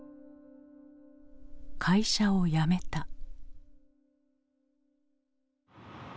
会社を辞めた。